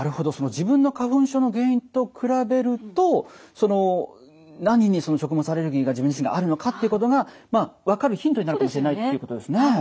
自分の花粉症の原因と比べると何に食物アレルギーが自分自身があるのかっていうことが分かるヒントになるかもしれないっていうことですね。